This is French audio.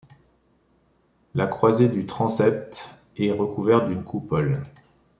La croisée du transept est recouverte d'une coupole.